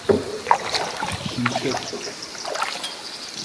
Şimşek…